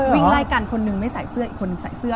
วิ่งไล่กันคนหนึ่งไม่ใส่เสื้ออีกคนนึงใส่เสื้อ